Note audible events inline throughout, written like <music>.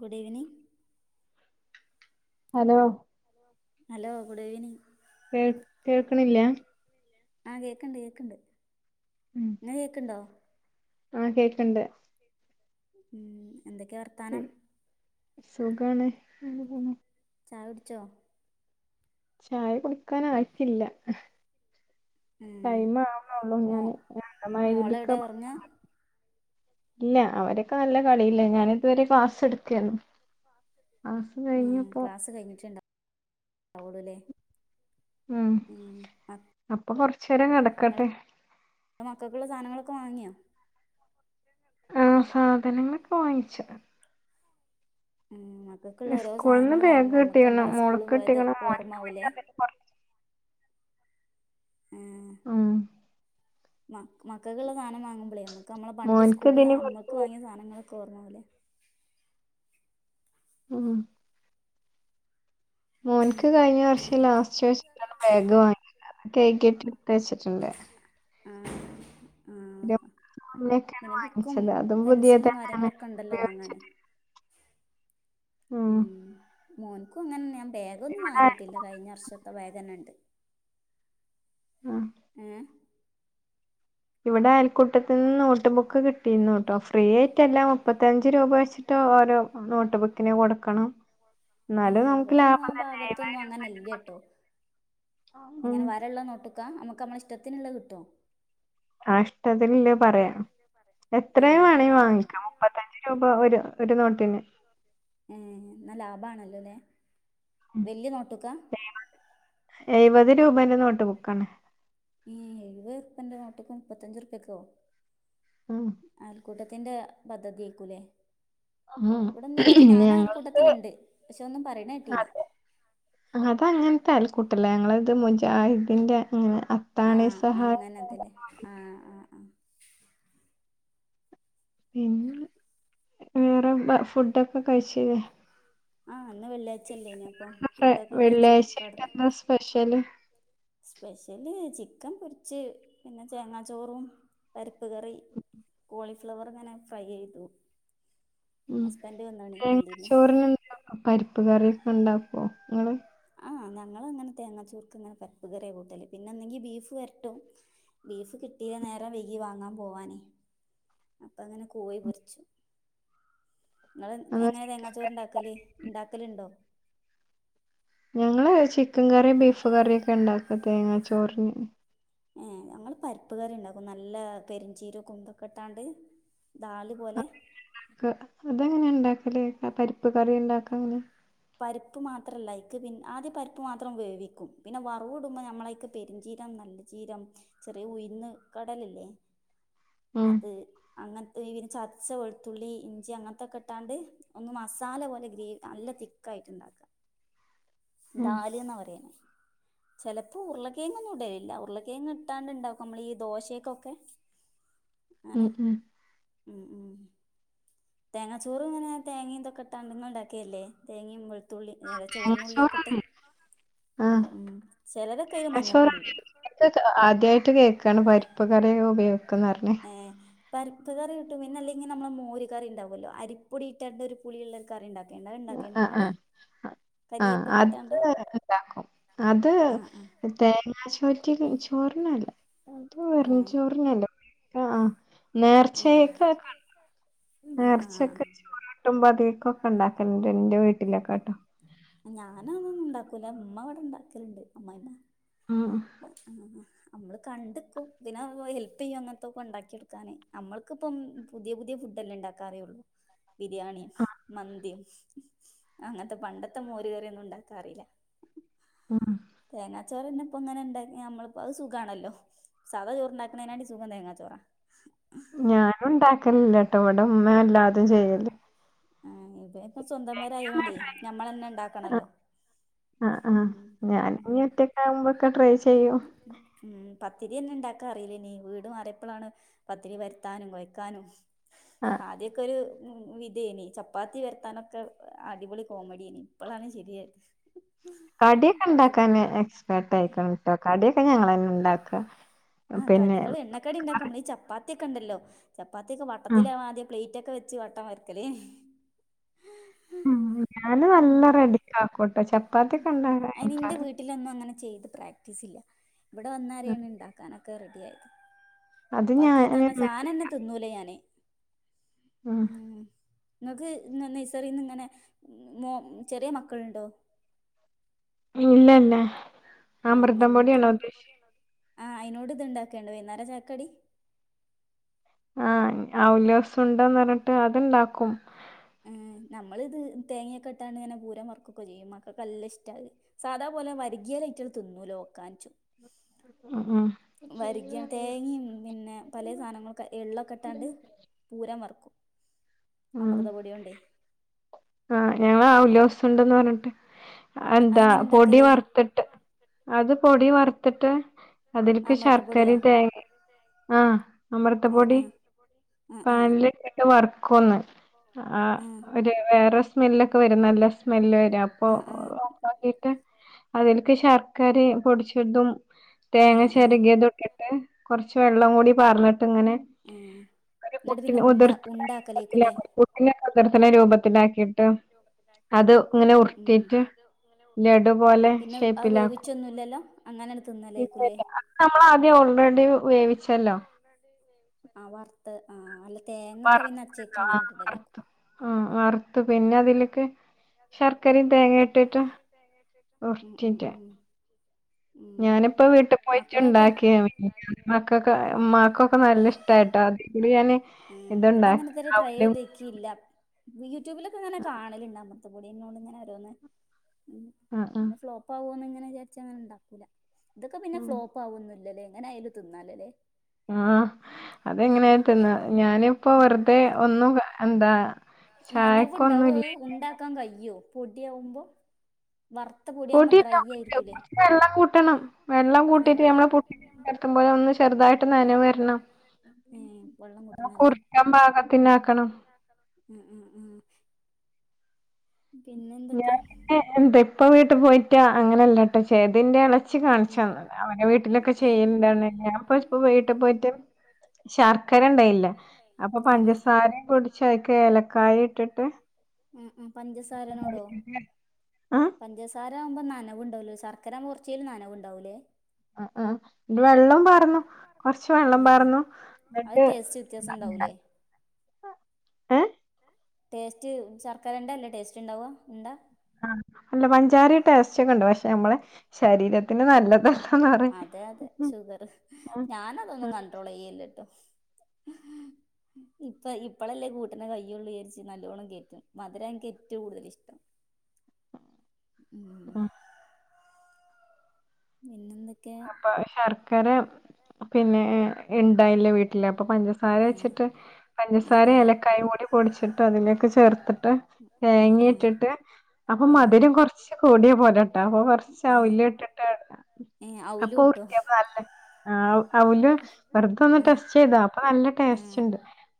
Good evening hello hello good evening കേൾക്ക്ണില്ലാ ആഹ് കേക്ക്ണ്ട് കേക്ക്ണ്ട് ഉം ഞ കേക്ക്ണ്ടോ ആഹ് കേക്ക്ണ്ട് ഊം എന്തെക്കേ ഉം വർത്താനം സുഖാണ് അങ്ങെനെ പോണു ചായുട്ച്ചോ ചായ കുടിക്കാനായിട്ടില്ല ഉം. ടൈമ് ആവ്ണൊള്ളൂ മോ ഞാന് ഞ മഹ് രിബ്ക്കാ മോളെവിടെ ഉറങ്ങുക ഇല്ല അവരൊക്കെ നല്ല കളിയില്ല ഞാന് ത് വരെ ക്ലാസ് എടുക്കെര്ന്നു ഉം ക്ലാസ് കഴിഞ്ഞിട്ടുണ്ടാവളൂല്ലേ ഉം അപ്പൊ കൊർച്ചേരം കെടക്കട്ടെ ഇപ്പോ മക്കക്ക്ള്ള സാനങ്ങളൊക്കെ വാങ്ങിയ ആ സാധനങ്ങളൊക്കെ വാങ്ങിച്ച് ഉം മക്കക്ക്ള്ള ഓരോ സ്കൂളിന്ന് സാനങ്ങള് ബാഗ് വാങ്ങുമ്പോ നമ്മുക്ക് കിട്ടിക്കണ് നമ്മളെ മോൾക്ക് സ്കൂള് പോയത് കിട്ടിക്കണ് മോൻക്ക് പിന്നെ ഓർമ്മകൂലേ അതിനെ കുറിച്ച് ഉം ഉം മ മക്കക്കുള്ള സാനം വാങ്ങുമ്പോളേ നമ്മുക്ക് നമ്മള പണ്ട് മോൻക്ക് സ്കൂൾക്ക് സ ഇതിനെ അമ്മക്ക് കുറിച്ച് വാങ്ങിയ സാനങ്ങളൊക്കെ ഓർമ്മാകും ലേ ഉം മോൻക്ക് ഉം. കഴിഞ്ഞ വർഷം ലാസ്റ്റ് വെച്ചിട്ടാണ് ബാഗ് വാങ്ങിയത് അപ്പൊ കഴ്കീട്ട് ട്ത്ത് വെച്ചിട്ടുണ്ട് ആ ആ ഇതിന്റെ മുന്നേക്കാണ് പിന്നെ ബുക്കും വാങ്ങിച്ചത് അതും പെൻസിലും പുതിയതന്നെയാണ് കാര്യങ്ങളൊക്കെ ണ്ട് അതല്ലോ വാങ്ങാന് ഉപയോഗിച്ചിട്ട് ഉം മോൻക്കു അങ്ങനെന്നെ ഞാൻ ബേഗൊന്നും ഇവിടെ അയൽ- വാങ്ങിയിട്ടില്ല കഴിഞ്ഞ വർഷത്തെ ബാഗന്നെണ്ട് ഉം ഏ ഇവിടേണ് കുട്ടത്ത്ന്ന് നോട്ട് ബുക്ക് കിട്ടീന്നു കെട്ടോ ഫ്രീ ആയിട്ടല്ല മുപ്പത്തഞ്ച് രൂപ വെച്ചിട്ട് ഓരോ നോട്ട് ബുക്കിന് കൊടുക്കണം ഏ എന്നാലും നമുക്ക് ഇബടെന്ന ലാഭം ആ തന്നെ ഭാഗത്തൊന്നും ഏഴായിരം രൂപേന്റെ അങ്ങനെല്ല്യ നോട്ട് ബുക്ക്. ട്ടോ ഉം എങ്ങനെ വരള്ള നോട്ട്ക്ക അമുക്ക് അമ്മള ഇഷ്ട്ടത്തിന്ള്ളത് കിട്ടോ ആ ഇഷ്ട്ടത്തില് ള്ളത് പറയാം എത്രയും ഏഹ് വേണെങ്കി ഇവിടന്ന് വാങ്ങിക്കാം മുപ്പത്തഞ്ച് രൂപ ഒരു ഒര് നോട്ടിന് ഏ ഇന്ന ലാഭാണല്ലോ ലേ ഉം. വല്ല്യ നോട്ട്ക്ക എഴുപത് രൂപേന്റെ നോട്ട് ബുക്കാണ് ഏ എഴ് വത്ർപ്യന്റെ നോട്ട്ക്ക് മുപ്പത്തഞ്ച് ർപ്യക്കോ ആഹ് അയൽ ക്കൂട്ടത്തിന്റെ പദ്ധതിയേൽക്കു ലേ ആഹ് ഇവിടൊന്നും അങ്ങനെ ഞങ്ങൾക്ക് ഞാനയൽക്കൂട്ടത്തില്ണ്ട് പക്ഷെ ഒന്നും പറയ്ണേട്ടീല അതങ്ങൻത്തെ അയൽകൂട്ടല്ലേ ഞങ്ങളത് മുജാഹിദിന്റെ അങ്ങനെ അത്താണി സഹായ എന്നത്തില്ലേ ആഹ് ആഹ് ആഹ് പിന്നെ വേറെ ബ ഫുഡൊക്കെ കഴിച്ചില്ലേ ആ ഇന്ന് വെള്ളിയാഴ്ചല്ലേന അപ്പൊ ക്കെ ഫുഡൊക്കെ കഴിച്ച് വെള്ളിയാഴ്ചയായിട്ട് കടന്നു എന്താ സ്പെഷ്യല് സ്പെഷ്യല് ചിക്കൻ പൊരിച്ച് പിന്നെ ചേങ്ങാ ചോറും പരിപ്പ് കറി കോളിഫ്ലവറ് ങ്ങനെ ഫ്രൈ യ്യെയ്തു ഉം ഹസ്ബൻഡ് വന്ന് ണെയ് തേങ്ങ വണ്ടീന്ന് ചോറിനെന്താ പരിപ്പ് കറിക്കെണ്ടാക്കുവോ ങ്ങള് ആ ഞങ്ങളങ്ങന തേങ്ങാച്ചോർക്ക് ങ്ങനെ പരിപ്പ് കറിയ കൂട്ടല് പിന്നെ എന്നെങ്കി ബീഫ് വരട്ടും ബീഫ് കിട്ടീല നേരം വൈകി വാങ്ങാൻ പോവാന് അപ്പ അങ്ങനെ കോഴി പൊരിച്ച് ങ്ങള് അതോ എങ്ങനെ ചിക്കൻ തേങ്ങാച്ചോറ് കറി ണ്ടാക്കല് ണ്ടാക്കലുണ്ടോ ഞങ്ങള് ചിക്കൻ കറി ബീഫ് കറി ഒക്കെ ണ്ടാക്ക തേങ്ങാ ചോറ്ന് ഏ ഞങ്ങള് പര്പ്പ് കറി ണ്ടാക്കും നല്ല പെരിഞ്ചീരകും തൊക്കെട്ടാണ്ട് ദാല് പോലെ ക്ക്‌ അതെങ്ങനെ ണ്ടാക്കല് പരിപ്പ് കറി ണ്ടാക്കാന് പരിപ്പ് മാത്രല്ല അയ്ക്ക് പിന്ന ആദ്യ പരിപ്പ് മാത്രം വേവിക്കും പിന്നെ വറവ് ഇടുമ്പോ നമ്മളയ്ക്ക് പെരിഞ്ചീരം നല്ല ചീരം ചെറിയ ഉയ്ന്ന് കടല ല്ലേ ഉം അത് അങ്ങൻത്തെ ഇ ചതച്ച വെളുത്തുള്ളി ഇഞ്ചി അങ്ങത്തൊക്കെട്ടാണ്ട് ഒന്ന് മസാല പോലെ ഗ്രേവി നല്ല തിക്കായിട്ട് ണ്ടാക്ക ഉം ദാലി ന്ന പറിയ്ന് ചെലപ്പോ ഉരുളക്കേങ്ങന്നും ഇടേല്ല ഉരുളക്കേങ്ങ് ഇട്ടാണ്ട്ണ്ടാക്കുമ്പോ നമ്മൾ ഈ ദോശേക്കൊക്കെ അനെ ഉം ഉം ഉം ഉം തേങ്ങാ ചോറു ഇങ്ങനെ തേങ്ങി ഇതൊക്കെട്ടാണ്ട് നിങ്ങള്ണ്ടാക്കല്ലേ തേങ്ങിം വ ത്തുള്ളി എല തേങ്ങാ ചോന്നുള്ളിക്ക്‌ട്ട് ചോറല്ലേ ആഹ് ഉം ഉം ചിലരെക്കെയിൽ മഞ്ഞപ്പൊടി ഇടും ഇത് ആദ്യയിട്ട് കേൾക്കാണ് പരിപ്പ് കറി ഉപയോഗിക്ക്‌ന്ന് പറഞ്ഞേ ഏഹ് പര്പ്പ് കറി കുട്ടും പിന്നെ അല്ലെങ്കിൽ നമ്മള മോര് കറി ണ്ടാവുല്ലോ അരിപ്പൊടി ഇട്ടാണ്ട പുളിയ്ള്ള കറി ഇണ്ടാക്കേണ്ട് അത് ഇ ണ്ടാക്കേണ്ട് ആഹ് ങ്ങള് ആഹ് ആഹ് അത്ണ്ടാക്കും അത് ആഹ് ആഹ് തേങ്ങാ ചോറ്റി ചോറിനല്ല അത് വെറു ഉം ചോറിനല്ലേ ആഹ് ആഹ് നേർച്ചയെകേക്കെണ്ട് ആഹ് ആഹ് നേർച്ചക്കെ ട്ടുംമ്പതിക്കൊക്കെ ണ്ടാക്കൽണ്ട് ഇന്റെ വീട്ടിലൊക്കെട്ടോ ഞാനും ഒന്നും ഉണ്ടാക്കൂല ഇമ്മ ഇവടെ ഇണ്ടാക്കല്ണ്ട് അമ്മായിമ്മ ആഹ് അഹ് അഹ് ആഹ് അമ്മള് കണ്ട്ക്കും പിന്നെ മ് പോയി ഹെല്പ്യ്യാ അങ്ങൻത്തൊക്കെ ഉണ്ടാക്കിടുക്കാനെ നമ്മക്ക്‌പ്പം പുതിയ പുതിയ ഫുഡ്ല്ലെ ഉണ്ടാക്കാറ്യള്ളൂ ബിരിയാണി മന്തി അങ്ങത്തെ പണ്ടത്തെ മോര് കറിയൊന്നും ഉണ്ടാക്കാ അറില്ല ആഹ് തേങ്ങാച്ചോറ്ന്നെ ഇപ്പൊങ്ങനെ ഉണ്ടാങ്കി നമ്മളിപ്പോ അത് സുഖാണല്ലോ സാദാ ചോറുണ്ടാക്കണേനാറ്റിലും സുഖം തേങ്ങാ ചോറ ഞാനും ഉണ്ടാക്കലില്ലട്ടോ ഇവടമ്മ എല്ലാതും ചെയ്യല് ആഹ് ങ്ങിതെ പ്പ സ്വന്തം പേരായോണ്ടേ നമ്മളന്നെ ഉണ്ടാക്കണല്ലോ നമ്പൊക്കെ ട്രൈ ചെയ്യൂ ഉം പത്തിരിയന്നെ ണ്ടാക്കാ അറില്ലേഞ്ഞി വീടു മാറിയപ്പളാണ് പത്തിരി പെര്ത്താനും കൊയ്ക്കാനും ആഹ് ആദ്യക്കെ ഒരു ഉം ഇതേനി ചപ്പാത്തി വരുത്താനൊക്കെ അടിപൊളി കോമഡിയേനി ഇപ്പളാണ് ശരിയായത് കടിക്കെ ഇണ്ടാക്കാൻ എക്സ്പേർട്ട ആയിക്ക്‌ണ് അഹ് കടിക്കെ ഞങ്ങള്ന്നെ ഉണ്ടാക്കാ ആഹ് പിന്നെ കടികള് എണ്ണക്കടി ണ്ടാക്ക നമ്മ ഈ ചപ്പാത്തിയക്കെണ്ടല്ലോ ചപ്പാത്തിക്കെ ആഹ് വട്ടത്തിലവാ ആദ്യ പ്ലെ റ്റൊക്കെ വെച്ച് വട്ടം വരക്കലെ ഉം ഞാന് നല്ല റെഡി ആക്കോട്ടെ ചപ്പാത്തിക്കെ <unintelligible> ട്ടിലൊന്നും അങ്ങനെ ചെയ്ത് പ്രാക്ടീസ് ഇല്ല ഇവിടെ ഉം വന്നരെയാണ് ണ്ടാക്കാനൊക്കെ റെഡി ആയത് അത് ഞാൻ പാത്തിന്നർഞ്ഞ സാനന്നെ ത്ന്നൂല ഞാന് ഉം ങ്ങക്ക് ഇന്ന് നൈസറിന്ന്ഇങ്ങനെ മോ ചെറിയ മക്കൾണ്ടോ ഇല്ല ല്ല ഉം ഞൻക്കും അയിനോട് ഇത് ണ്ടാക്കെണ്ട് വൈന്നേര ചായക്കടി. ആഹ ആ ഉല്ലാസം ഉണ്ട. ന്ന് പറഞ്ഞിട്ട് അത്ണ്ടാക്കും. നമ്മളിത് തേങ്ങയൊക്കെ ഇട്ടാണ് ഇങ്ങനെ പൂരം വർക്കൊക്കെ ചെയ്യും മക്കക്ക് നല്ല ഇഷ്ടാത്. സാധാ പോലെ വരകിയല് ഐറ്റെൽ തിന്നൂല ഓക്കാനിച്ചും. ആഹ് ആഹ്. വരിക തേങ്ങിം പിന്നെ പല സാനങ്ങൾക്കെ എള്ളൊക്കെ ഇട്ടാണ്ട്. പൂരം വറക്കും ഉം അമൃതപൊടിയോണ്ടേ. ആഹ് ഞങ്ങള് ആ ഔലൊസുണ്ടന്ന് പറഞ്ഞിട്ട്. ആഹ്‌ എന്താ അതെങ്ങനെ പൊടി ഇണ്ടാക്കല്? വറ്ത്തിട്ട് അത് പൊടി വറ്ത്ത്. ത്തിട്ട് അതില്ക്ക് ശർക്കര അമൃതപ്പൊടിയോ? തേങ്ങിം ആഹ ആഹ് അമൃതപൊടി. ആഹ് ആഹ് പാനല്ഇട്ട്ട് വർക്കൊന്ന് ആ ആഹ് ഒരു വേറെ. സ്മെല്ലൊക്കെ വരും നല്ല സ്മെല്ല് വരും അപ്പോ ആഹ് ആഹ് ഓഫാക്കിട്ട്. അതില്ക്ക് ശർക്കരിം പൊടിച്ച്ടും. തേങ്ങ ആഹ് ആഹ് ആഹ് ചെരകിയതുട്ടിട്ട് കൊറച്ച് വെള്ളകൂടി പർനിട്ട് ഇങ്ങനെ. ഒരു ന്നിട്ട്പിന്നെ ഉണ്ടാ ഉണ്ടാക്കലേക്കുലെ. പുട്ടിനോക്കെ കുതിർത്തുന്ന രൂപത്തിലാക്കിയിട്ട്. ട്ട് അതിങ്ങനെ ഉം ഉം ഉർട്ടിട്ട് ലഡുപോലെ പിന്നെ അത് ഷേപ്പിലാക്കും. വേവിച്ചൊന്നുല്ലല്ലോ അങ്ങനെണ്ട് ഇല്ല തിന്നലേക്കുലേ? അത് നമ്മൾ ആദ്യം ഓൾറെഡി വേവിച്ചല്ലോ. ആഹ് വറുത്ത് ആ അല്ല തേങ്ങൊക്കെ പിന്നെ വറുത്തല്ലോ അച്ചേക്കും ആ ഇങ്ങനെ ഇടല്. വറുത്തു ആ വറുത്ത് പിന്നെ അതില്ക്ക്. ശർക്കരിം തേങ്ങി ഇട്ടിട്ട് ഉം ഉം ഉര്ട്ടിട്ട്. ഉം ഉം ഞാനിപ്പോ വീട്ടിൽ മക്കളൊക്കെ പോയിട്ട്ണ്ടാക്കിയ മക്കൊക്കെ മാക്കൊക്കെ നല്ലഷ്. ഇഷ്ടായിട്ടോ ഇത് ഞാന് ഇതുണ്ടാഅവലും. ല്ല യൂട്യൂബിലൊക്കെ ഇങ്ങനെ കാണലിണ്ട് അമർത്പൊടിയോണ്ട്‌ ഇങ്ങനെരോന്ന്. ഉ ആ ആ ഇങ്ങനെ ഫ്ലോപ്പ് ആകൊന്ന് ഇങ്ങനെ വിചാരിച്ചങ്ങനെ ഇണ്ടാക്കൂല. ഇതൊക്കെ പിന്നെ ഉം. ഫ്ലോപ്പാവൊന്നുല്ലല്ലേ എങ്ങനെ ആയാലും തിന്നാലല്ലേ. ആ അതെങ്ങനെയാലും തിന്ന ഞാനിപ്പോ വെറുതെ ഒന്നു എന്താ. ചായക്കൊന്നും നനവ്ണ്ടാവൊ ഇല്ല ഉണ്ടാക്കാൻ കയോ പൊടിയകുമ്പോ. വർ പൊട്ടിയിട്ട കുറച്ചു വെള്ളം കൂട്ടണം വെള്ളം ഏഹ് കൂട്ടിട്ട് വെള്ളം നമ്മള് പുട്ടിന് ആക്കുമ്പോലെ ഒന്ന് ചെറുതായിട്ട് നനവരണം. ഏഹ് വെള്ളം കൂട്ടണല്ലേ ക്കാൻപാകതിന്നാക്കണം. ആഹ് ആഹ് പിന്നെ എന്തൊക്കെ ഞാന് പിന്നെ എന്താ ഇപ്പ വീട്ടു പോയിട്ട് അങ്ങനെയല്ലട്ടോ ചെയ്തേ ഇന്റെ എളച്ചി കാണിച്ചന്ന്. അവരെ വീട്ടിലൊക്കെ ചെയ്യണ്ട്ന്ന് ഞാൻപ്പ ഇപ്പം വീട്ടിൽ പോയിട്ട്. ശർക്കര ഇണ്ടായില്ല അപ്പൊ ആഹ് ആഹ് പഞ്ചസാരയും പൊടിച്ച് അയിക്ക് ഏലക്കായ ഇട്ടിട്ട്. ഉം ഉ പഞ്ചസാരനോടോ. പൊടിച്ചിട്ട് ആഹ് പഞ്ചസാര ആവുമ്പോ നനവ് ഉണ്ടാവല്ലോ ശർക്കര കൊറച്ചെലും നനവ് ഉണ്ടാവൂലേ. ആ ആ വെള്ളം പറാന്നു കൊറച്ച് വെള്ളം ഉം ഉം പറാന്നു അത് എന്നിട്ട്. ടേസ്റ്റ് വ്യത്യാസം ഉണ്ടാവൂലേ ഏഹ്. ടേസ്റ്റ് ശർക്കരന്റെ അല്ലേ ടേസ്റ്റ് ഇണ്ടാവ? ഉണ്ട. ആ അല്ല പഞ്ചാരിം ടേസ്റ്റ് ഒക്കെഉണ്ട് പക്ഷെ നമ്മളെ ശരീരത്തിന് നല്ലതല്ലന്ന്റി. അതെ അതെ ഷുഗർ ഞാനതൊന്നും ഉം കണ്ട്രോൾ ചെയ്യല്ലട്ടോ. ഇപ്പ ഇപ്പളല്ലേ കൂട്ടനെ കയൊള്ളു വിചാരിച്ച്. ച്ച് നലോണം കേറ്റും മധുരം എനിക്ക് ഏറ്റും കൂടുതലിഷ്ടം ഉം. പിന്നെ എന്തൊക്കെ. പ്പൊ ശർക്കര പിന്നെ. ഇണ്ടായില്ല വീട്ടില് അപ്പൊ പഞ്ചസാര വെച്ചിട്ട് പഞ്ചസാര ഏലക്കായ കൂടി പൊടിച്ചിട്ട് അതിലേക്ക് ചേർത്ത് ട്ട് അതും തേങ്ങേട്ടിട്ട് അപ്പം ഇട്ടിട്ട് മധുരം കൊറച്ച് കൂടിയ പോലെണ്ടാവും അപ്പൊ കൊറച്ച് അവിലിട്ടിട്ട് അവല് അപ്പൊ ഇട്ടിട്ട് ഉരുട്ട്യാ <unintelligible> ആവു അവുല് വെറുതൊന്ന് ഇടക്ക് ടെസ്റ്റ് ചെയ്താ അപ്പൊ നല്ല ടേസ്റ്റ് ഉണ്ട്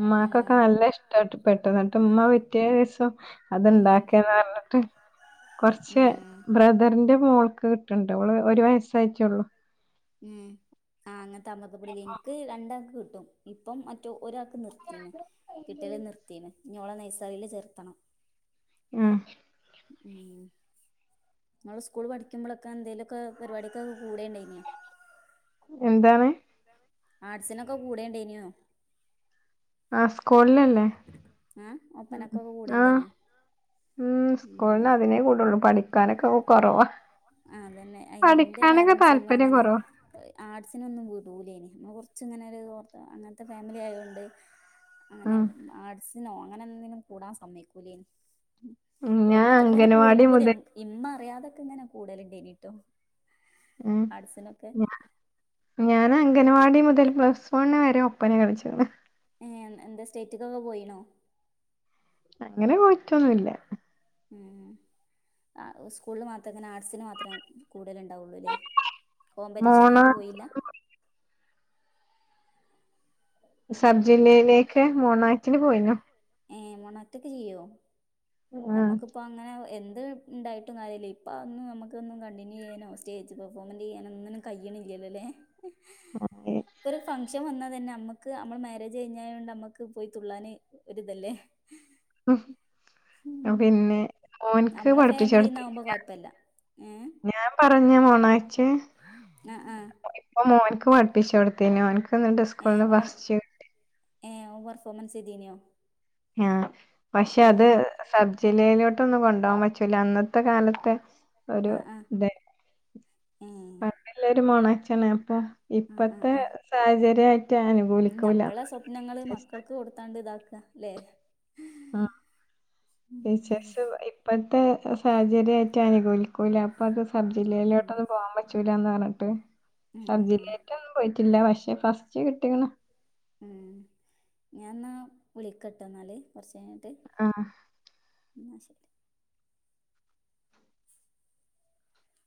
ഉമ്മാക്കൊക്കെ നല്ല ഇഷ്ട്ടപെട്ടു ഇന്നട്ട് ഉമ്മ പിറ്റെ ദിവസം അത്ണ്ടാക്ക്ന്ന് പറഞ്ഞിട്ട് കൊറച്ച് ഉം ബ്ര ബ്രദറിന്റെ മോൾക്ക് കിട്ടണ്ട് അവള് ഒരു വയസ്സായിട്ടൂള്ളു ഉം ആഹ് അങ്ങൻത്തെ അമൃതംപ്പൊടി എനിക്ക് രണ്ടാക്ക് കിട്ടും ഇപ്പം മറ്റ് ഒരാക് ഇപ്പം നിർത്തീണ് കിട്ടല് നിർത്തീണ് ഇഞ്ഞി ഓളെ നൈസറില് ചേർത്തണം ആഹ് ഉം ഇങ്ങള് സ്കൂൾ പഠിക്കുമ്പളക്കെ എന്തേലുവൊക്കെ പരിപാടിയൊക്കെ കൂടെണ്ടേനിയോ എന്താണ്? ആർട്സിനൊക്കെ കൂടെണ്ടേയിനിയോ ആഹ് സ്കൂളിലല്ലേ ആഹ് ഒപ്പനക്കൊക്കെ ആഹ് കൂടെണ്ടായിനോ ഉം സ്കൂളിന്ന് ഉം അതിനെ കൂടുള്ളൂ പഠിക്കാനൊക്കെ കൊറവാ ആഹ് അതന്നെ അയിന് ഇന്റെ പഠിക്കാനൊക്കെ പേരൻറ്സ് ഒന്നും താല്പര്യം അങ്ങനെ കൊറവാ ആർട്സിനൊന്നും വീടൂലേനി നമ്മള് കൊറച്ചിങ്ങനെ ഒരു ഓർ അങ്ങനത്തെ ഫാമിലി ആയോണ്ട് അങ്ങനെ ഉം ആർട്സിനോ അങ്ങനെ ഒനിന്നും കൂടാൻ സമ്മയ്ക്കൂലേനി ഞാൻ ഓരോരുത്തരിങ്ങനെ കൂടുമ്പോ അംഗനവാടി പൂതിയാ മുതൽ ഇമ്മ അറിയാതൊക്കെ ഇങ്ങനെ കൂടലിണ്ടേനീട്ടോ ഉം ഞാ ഞാന് അംഗനവാടി മുതൽ പ്ലസ് വണ്ണ് വരെ ഒപ്പ് ഒപ്പന കളിച്ചൂന് ഏഹ് എൻ എന്താ സ്റ്റേറ്റ്ക്കൊക്കെ പോയിണോ അങ്ങനെ പോയിറ്റൊന്നുല്ല ഉം ആഹ് സ്കൂളിൽ മാത്രം ഇങ്ങനെ ആർട്സിന് മാത്രം കൂടല്ണ്ടാവുള്ളൂ ല്ലേ കോമ്പറ്റീഷൻ മോണ ആയിട്ട് പോയില്ലാ ഉം സബ്ജില്ലയിലേക്ക് മോണാക്ടിന് പോയിനു ഏഹ് മോണാക്ടെക്കെ ചെയ്യോ ആഹ് ഞമ്മക്കിപ്പ അങ്ങനെ എന്ത് ഇണ്ടായിട്ടും കാര്യല്ല ഇപ്പ അതൊന്നും നമുക്കൊന്ന് കണ്ടിന്യൂ ചെയ്യാനോ സ്റ്റേജ് പെർഫോമൻറ് ചെയ്യാനോ ഒന്നിനും കയ്യിണില്ലല്ലോല്ലേ ഇപ്പ ഒരു ഫംങ്ഷൻ വന്നാ തന്നെ അമ്മക് ക്ക് നമ്മള് മാരേജ് കഴിഞ്ഞായോണ്ട് നമ്മക്ക് പോയി തുള്ളാന് ഒര്തല്ലേ ഉം പിന്നെ ഓനിക്ക് നമ്മളെ ഫാമിലിന്നാവുമ്പോ പഠിപ്പിച്ചൊടുത്തിട്ടില്ല കൊഴപ്പല്ല ഏ ഞാൻ പറഞ്ഞ മോണാക്ട് ആ ആ ഇപ്പം മോൻക്ക് പഠിപ്പിച്ചു കൊടുത്തീനി ഓന്ക്ക്ന്നിണ്ട് സ്കൂള്ന്ന് ഫസ്റ്റ് ഏഹ് ഓൻ പെർഫോമൻസ് ചെയ്തീനിയോ? ആഹ് പക്ഷെ അത് സബ്ജില്ലയിലോട്ടൊന്നും കൊണ്ടോവാൻ പറ്റൂല അന്നത്ത് ത്തെ കാലത്തെ ഒരു ആ ആ ഇതെ ഏ <unintelligible> ഒര് മോണാക്ട് ക്കാണ് അപ്പം ആ ആ ഇപ്പത്തെ ആ സാഹചര്യായിറ്റ് അനുകൂലിക്കൂല്ലാന്ന് നമ്മളെ പറഞ്ഞ് സ്വപ്നങ്ങള് <unintelligible> മക്കൾക്ക് കൊടുത്താണ്ട് ഇതാക്കാ ല്ലെ ആഹ് ടീച്ചേഴ്സ് ഇപ്പഴ്ത്തെ ഇപ്പത്തെ സാഹചര്യായിറ്റ് അനുകൂലിക്കൂലാ അപ്പൊ അത് ഉം ഉം സബ്ജില്ലയിലോട്ടൊന്നും പോവാൻ പറ്റൂലാന്ന് പറഞ്ഞിട്ട് ഉം ഉം സബ്ജില്ലേക്കൊന്നും പോയിറ്റില്ലാ പക്ഷെ ഫസ്റ്റ് കിട്ടീക്കണ് ഏഹ് ഞാൻ ഇന്നാ വിളിക്കട്ടാ എന്നാല് കൊറച്ചഴിഞ്ഞിട്ട് ആഹ് എന്നാ ശരി